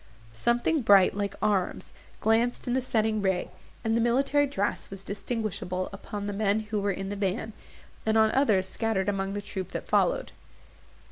Something bright, like arms, glanced in the setting ray, and the military dress was distinguishable upon the men who were in the van, and on others scattered among the troop that followed.